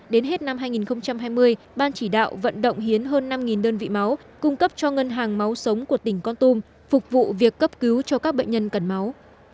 đến hết năm hai nghìn hai mươi ban chỉ đạo vận động hiến hơn năm đơn vị máu cung cấp cho ngân hàng máu sống của tỉnh con tum phục vụ việc cấp cứu cho các bệnh nhân cần máu